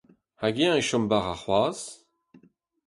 Hag-eñ e chom bara c'hoazh ?